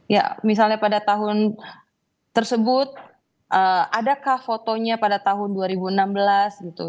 ya misalnya pada tahun tersebut adakah fotonya pada tahun dua ribu enam belas gitu